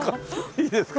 「いいですか？」。